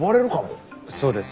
そうです。